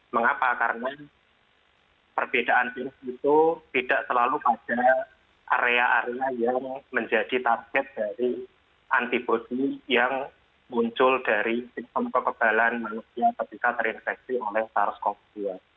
mengapa karena perbedaan virus itu tidak selalu pada area area yang menjadi target dari antibody yang muncul dari sistem kekebalan manusia ketika terinfeksi oleh sars cov dua